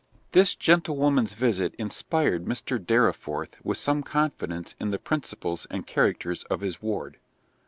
This gentlewoman's visit inspired Mr. Dorriforth with some confidence in the principles and character of his ward.